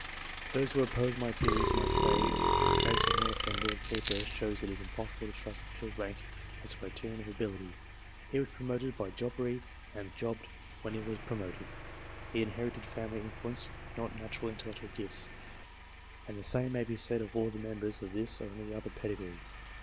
Those who oppose my theories might say, the case of North being Lord Keeper shows it is impossible to trust official rank as a criterion BETWEEN 1660 AND 1865 65 of ability ; he was promoted by jobbery, and jobbed when he was promoted ; he inherited family influence, not natural intellectual gifts : and the same may be said of all the members of this or of any other pedigree.